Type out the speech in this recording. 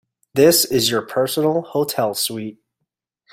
This is your personal hotel suite.